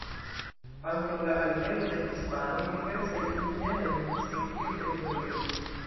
Antaŭ alveno de hispanoj diversaj indiĝenoj vivis en tiu teritorio.